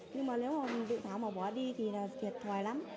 nhưng mà nếu mà bị tháo mà bỏ đi thì là thiệt thoài lắm